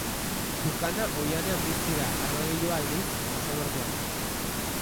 Tukana ohianean bizi da armadiloa, aldiz, basamortuan.